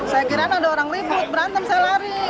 saya kira ada orang ribut berantem saya lari